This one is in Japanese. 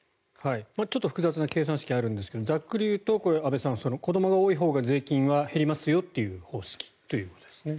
ちょっと複雑な計算式があるんですがざっくり言うと安部さん子どもが多いほうが税金は減りますよという方式と。